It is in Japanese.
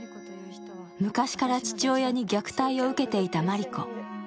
昔から父親に虐待を受けていたマリコ。